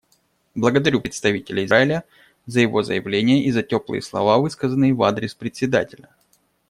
Благодарю представителя Израиля за его заявление и за теплые слова, высказанные в адрес Председателя.